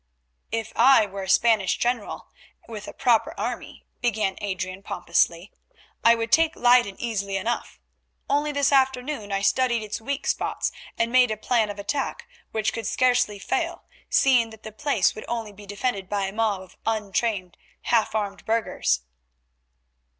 "If I were a Spanish general with a proper army," began Adrian pompously, "I would take Leyden easily enough. Only this afternoon I studied its weak spots, and made a plan of attack which could scarcely fail, seeing that the place would only be defended by a mob of untrained, half armed burghers."